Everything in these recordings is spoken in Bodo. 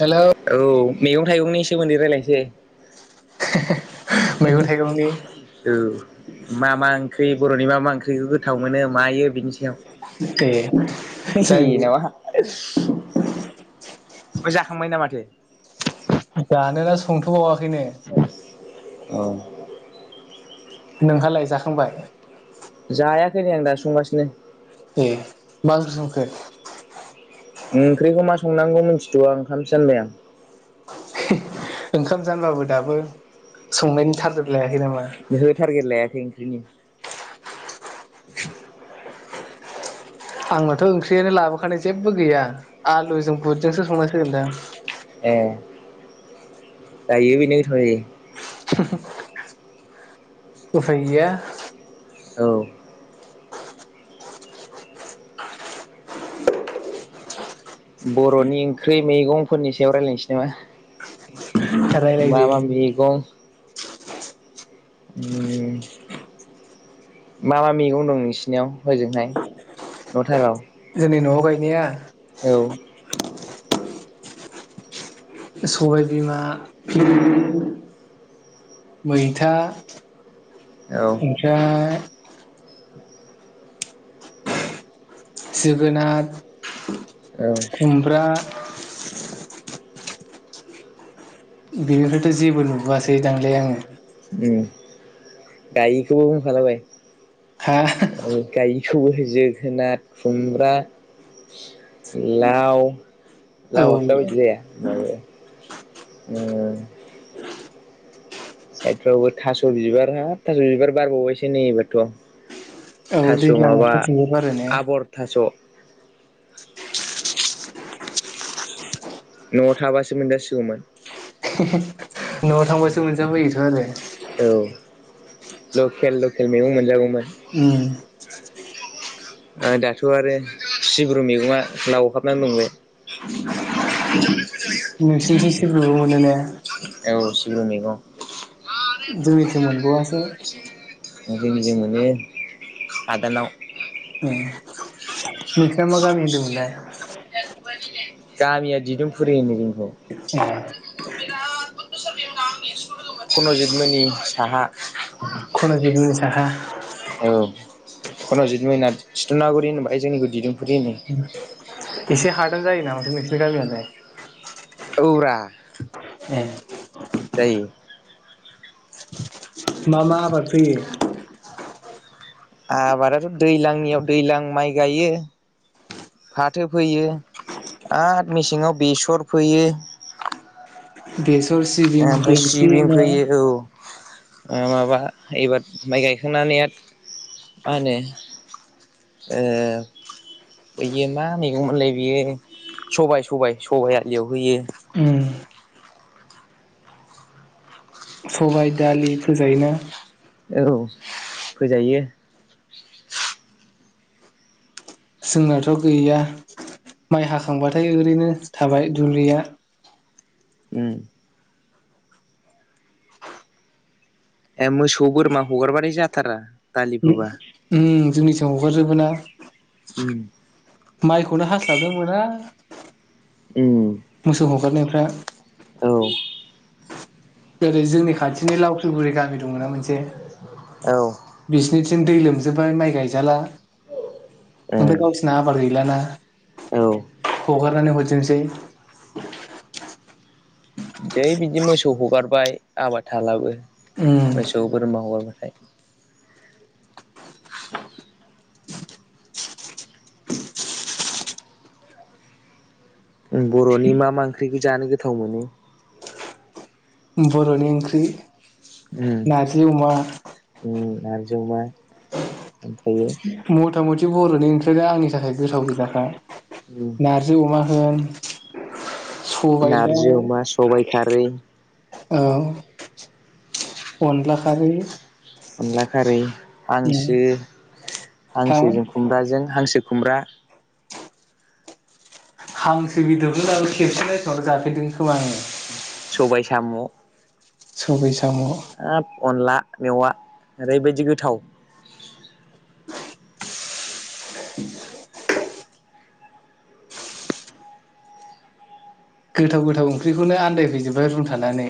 हेलौ औ मैगं थाइगंनि सोमोन्दै रायलायनोसै। [inaudible] थाइगंनि औ मा मा ओंख्रि बर'नि मा मा ओंख्रिखौ गोथाव मोनो मायो बिनि सायाव। ए जायो। [inaudible] नामा जाखांबाय ना माथो? जानोना संथ'बावा खोयनो। औ। नोंहालाय जाखांबाय? जायाखै नै आं दासो संगासिनो। ए मा ओंख्रि संखो? ओंख्रिखौ मा संनांगौ मिथिथ'वा ओंखामसो जानबाय आं। ओंखाम जानबाबो दाबो संनायनि थारगेट लाया ओहो टारगेट लायाखै नि [inaudible] आंनाथ' ओंख्रियानो लाबोखानाय जेबो गैया आलुजों गुदजोंसो संनांसिगोनदां। ए। जायो बेनो गोथाव जायो। उफाय गैया औ बर'नि ओंख्रि मैगंफोरनि सायाव रायलायनोसै नामा मा रायलायदो मा मैगं उ मा मा मैगं दं नोंसिनियाव हजोंहाय न'थाराव जोंनि न'आव गायनाया औ सबाइ बिमा भिनदि मैथा औ ओमफ्राय जोगोनाथ औ खुमब्रा [inaudible] बेनिफ्रायथ' जेबो नुबोआसै दांलै आङो उम गायैखौबो होनफालाबाय हा ओ गायि सबाय जोगोनार खुमब्रा लाव औ लाउआथ दा बायदियाव जाया होमबाबो उम सायथफ्रावबो थास' बिबार हाब थास' बिबार बारबावबायसो नै एबारथ' औ थास' दैज्लाङाव माबा थास'बो बारोने आबर थास' न'आव थाबासो मोनजासिगौमोन [inaudible] न'आव थांबासो मोनजाबोयोथ' आरो औ लकेल लकेल मैगं मोनजागौमोन उम दाथ' आरो सिब्रु मैगङा लावहाबनानै दं बे नोंसिनिथिं सिब्रुबो मोनो ने औ बियो मैगं। जोंनिथिं मोन बावआसो। जोंनि जिं मोनो हादानाव नोंसोरनिया मा गामि होनदोमोनलाइ। गामिया दिदोमफुरि होनो जोंनिखौ [unintelligible] फुनजितमोननि साहा। उन साहा कन' जित मैना थिथुनागुरि होनोबाय जोंनिखौ दिदुम [unintelligible] एसे हादान जायो नामा बे नोंसोरनि गामियालाइ औ रा। [unintelligible] जायो। मा मा आबाद फोयो। आबादाथ' दैलांनियाव दैलां माइ गायो फाथो फोयो आरो मेसेङाव बेसर फोयो। गेस ओमफ्राय सिबिं [unintelligible] फोयो माबा एबार माइ गायखांनानै मा होनो बियो मा मैगंमोनलाय बियो सबाय सबाइ सबाइ आलियाव होयो। उम सबाइ दालि फोजायोना। औ फोजायो। जोंनाथ' गैया, माइ हाखांबाथाय ओरैनो थाबाय दुलिया। उम। ए मोसौ बोरमा हगारबाथाइ जाथारा। दालि फोबा उम जोंनि सायाव हगारजोबोना। उम माइखौनो हास्लाबनो मोना। उम मोसौ हगारनायफ्रा। औ ओेरै जोंनि खाथिनि लावख्रिगुरि गामि दङ ना मोनसे। औ बिजनि बिथिं दै लोमजोबबाय माइ गायजाला। उम ओमफ्राय गावसिरना आबाद गैलाना। औ हगारनानै हरथोंसै। जै बिदि मोसौ हगारबाय आबाद थालाबो। उम मोसौ बोरमा हगारगोन। ओइ। बर'नि मा मा ओंख्रिखौ जानो गोथाव मोनो। बर'नि ओंख्रि उम नारजि अमा। उम नारजि अमा। ओमफ्रायो मथा मथि बि बर'नि ओंख्रिआदि आंनि थाखाय गोसाव गोजाखा। उम नारजि अमा। उम। नारजि अमा, सबायाइ खारै। औ। अनलाखारै। अनला खारै। हांसो, हा हांसोजों खुमब्राजों हांसो। खुमब्रा। हांसो बेदरखो दाबो खेबसे नसिनावल' जाफेरदों खोमा आंङो। सबाय साम' सबाय स साम' हाब अनला मेवा ओरैबायदि गोथाव। गोथाव गोथाव ओंख्रिखौनो आनन्दायफैजोबबाय रुमथानानै।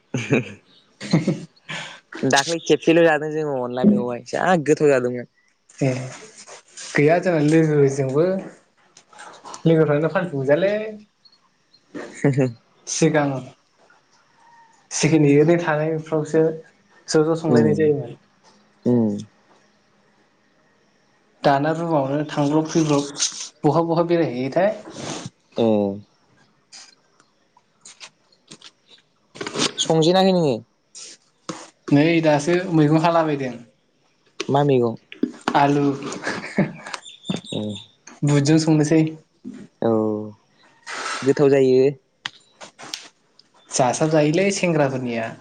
[inaudible] [unintelligible] दाखलि खेबसेल' जा जोङो अनला मेवाइ जा गोथा जादोंमोन ए गैया जोंहा लोगोजोंबो लोगोफोरानो फालतु गोजालै सिगां सिखिनि इदि थानायफ्रावसो ज' ज' संलायनाय उम जायोमोन उम दाना रुमावनो थांब्रब फैब्रब बहा बहा बेरायहैयोथाय अ संजेनाखै नोङो नै दासो मैगं हालाबायदों। मा मैगं? आलु अ बुदजों संनोसै। गोथाव जायो। जासाब जायोलै सेंग्राफोरनिया।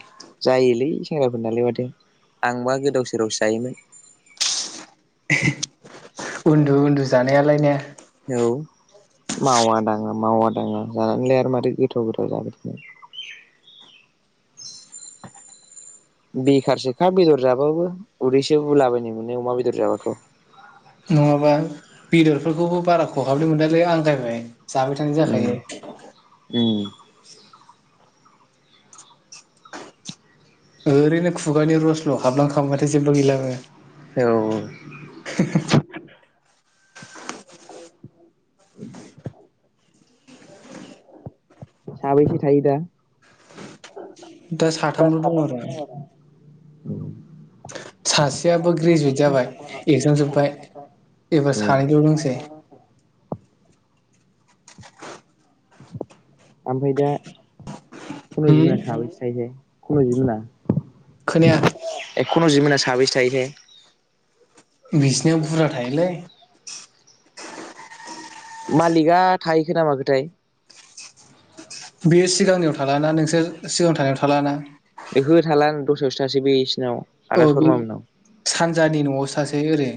सेंग्राफोर नालाय माथो आं बा गोदाव सोरावसो जायोमोन। उन्दु उन्दु जानायालाय ने औ मावा दाङा मावा दाङा जानानैलाय आरो मादै गोथाव गोथाव जाबो बेखारसोखा बेदर जाबाबो उदैसो बुलाबायनाय मोनो अमा बेदर जाबाथ' नङाबा बेदरफोरखौबो बारा खहाबनाय मोनलालै आं गायबाय। जाबाय थानाय उम जाखायो। [inaudible] ओरैनो खुगानि रसल' हाबलांखांबाथाय जेब्ला गैलाबो औ [inaudible] साबैसि थायो दा दा साथामल' दं आरो औ सासेयाबो ग्रेजुवेट जाबाय एगजाम जोब्बाय एबार उम सानैल' दंसै ओमफ्राय दा खुनु होम जिमना साबैसे थायोथाय खुन' जिमना खोनाया खुनुजिममोना साबैसे थायोथायाय बिसिनियाव बुरजा थायोलै मालिकआ थाहैखो ना मा खोथाय बियो सिगांनियाव थालाना नोंसोर सिगां थानायाव थालाना बेखौ थाला दस्रायावसो तासै बिस औ बे सानजानि न'आव सासे ओरै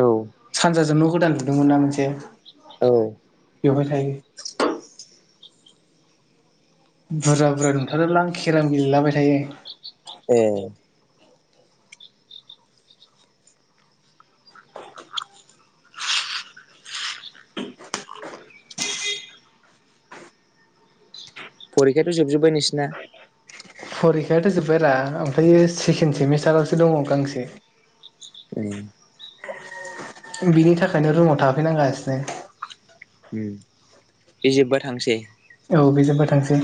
औ सानजाजों न गोदान नुना मोनसे औ बेवहाय थायो बुरजा बुरजा नुथारोलां खेरेम गेलेलाबाय थायो। ए फरिखायाथ' जोबजोबबाय नोंसिना फरिखायाथ' जोबबाय रा ओमफ्राय सेकेणड सेमिस्टारावसो दङ गांसे ए बिनि थाखायनो रुमाव थाफैनांगासिनो उम बे जोबबा थांसै औ बे जोबबा थांसै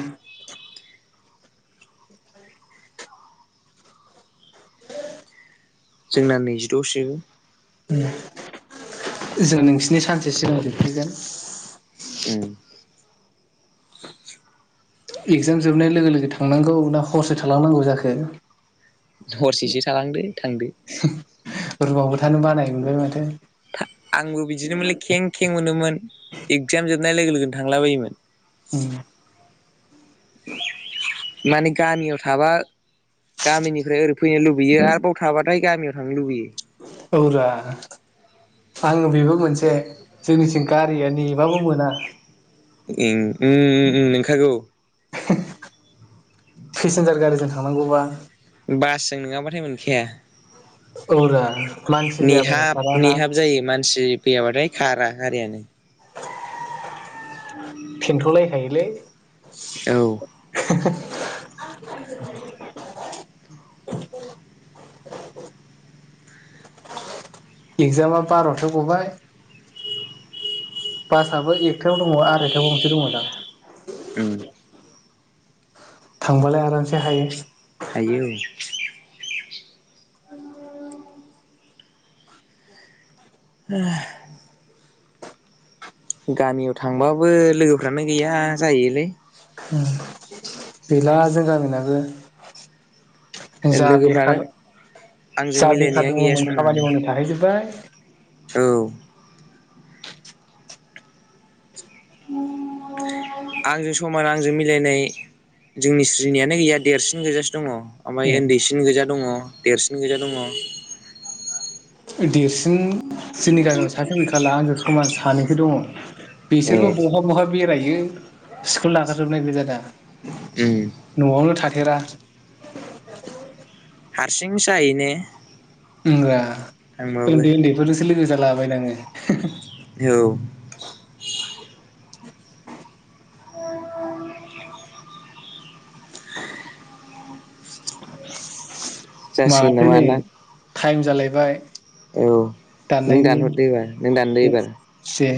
जोंना नैजिद' आवसो जोबो जों नोंसिनि सानसे सिगां जोबगोरगोन उम इगजाम जोबनाय लोगो लोगो थांनांगौ ना हरसो थालांनांगौ जाखो हरसेसो थालांदो थांदो रुमावबो थानो बानाय मोनबाय माथो आंबो बिदिनो मोनलै खें खें मोनोमोन एक्जाम जोबनाय लोगो लोगोन थांला बायोमोन। औ माने गामियाव थाबा गामिनिफ्राय ओरै फैनो लुबैयो आरो बाव थाबाथाय गामियाव थांनो लुबैयो औ रा आङो बेबो मोनसे से जोंनिथिं गारि रिया नेबाबो मोना उम उम उम नंखागौ पेसेन्जार गारिजों थांनांगौबा बासजों नङाबाथाय मोनखाया औ रा मानसि जायाबानो नेहाब खाराना नेहाब जायो मानसि फैयाबाथाय। कारा गारियानो [inaudible] फिन्थ'लायखायोलै औ [inaudible] [inaudible] एक्जामा बार'थो गबाय बासाबो एकथायाव दङ आरायथायाव गंसे दंमोनदां ओं थांबालाय आरामसे हायो हायो औ [inaudible] गामियाव थांबाबो लोगोफ्रानो गैया जायोलै गैला जों गामिनाबो जा लोगोफ्रानो बेखार आंजों जा बेखार मिलायनायानो गैया दङमोन समानो खामानि मावनो थाहैजोब्बाय औ आंजों समान आंजों मिलायनाय जोंनि स्रिनियानो गैया देरसिन गोैजासे दङ ओमफ्राय उन्दैसिन गोजा दङ देरसिन गोैजा दङो देरसिन सिन जोंनि गामियाव सासेबो गैखाला आंजों समान सानैबो दङ ए बिसोरबो बहा बहा बेरायो स्कुल नागारजोबनाय गोजादा उम न'आवनो थाथेरा [inaudible] हारसिंसो जायोने उमरा उन्दै उन्दैफोरसो लोगो जालाबायनाङो [inaudible] औ [inaudible] [inaudible] जासिगोन माथो नामा नै ना टाइम जालायबाय औ नों दाननायनि दानहरदो एबार नों दानदो एबार दे